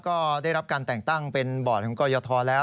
ก็ได้รับการแต่งตั้งเป็นบอร์ดของกรยทแล้ว